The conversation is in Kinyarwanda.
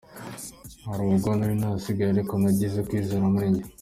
Hari ubwo nari nasigaye ariko nagize kwizera muri jye.